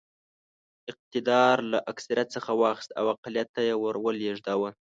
اقتدار له اکثریت څخه واخیست او اقلیت ته یې ور ولېږداوه.